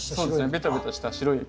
ベタベタした白い液。